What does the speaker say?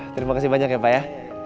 terima kasih banyak ya pak ya